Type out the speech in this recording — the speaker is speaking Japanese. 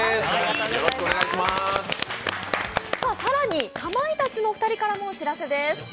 更に、かまいたちのお二人からもお知らせです。